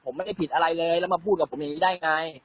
ผมไม่ได้ผิดอะไรเลยแล้วมาพูดกับผมอย่างนี้ได้ไง